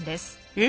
え？